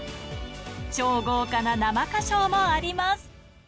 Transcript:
超豪華な生歌唱もあります。